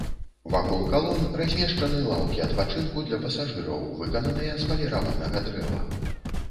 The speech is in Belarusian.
Вакол калон размешчаны лаўкі адпачынку для пасажыраў, выкананыя з паліраванага дрэва.